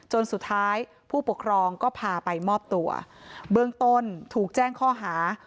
สุดท้ายผู้ปกครองก็พาไปมอบตัวเบื้องต้นถูกแจ้งข้อหา